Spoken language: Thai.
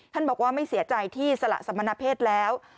บอกว่าไม่เสียใจที่สละสมณเพศแล้ว